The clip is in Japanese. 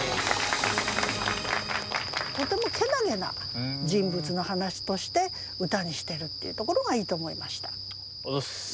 とてもけなげな人物の話として歌にしてるっていうところがいいと思いました。